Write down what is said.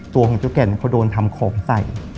ตัวของเจ้าแก่นเขาโดนทำของใส่